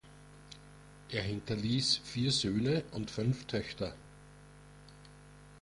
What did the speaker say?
Er hinterließ vier Söhne und fünf Töchter.